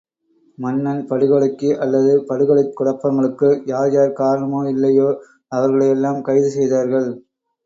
மன்னன் படுகொலைக்கு அல்லது படுகொலைக் குழப்பங்களுக்கு யார் யார் காரணமோ இல்லையோ, அவர்களை எல்லாம் கைது செய்தார்கள்!